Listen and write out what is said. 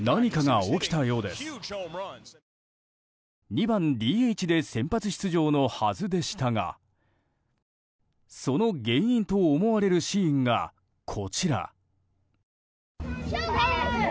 ２番ＤＨで先発出場のはずでしたがその原因と思われるシーンがこちら。